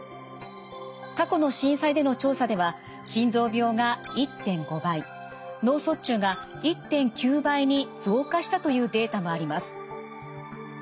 過去の震災での調査では心臓病が１．５倍脳卒中が１．９倍に増加したというデータもあります。